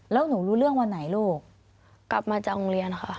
แล้วหนูรู้เรื่องวันไหนลูกกลับมาจากโรงเรียนค่ะ